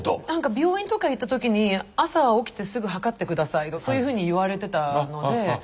なんか病院とか行ったときに朝起きてすぐ測って下さいとそういうふうに言われてたので。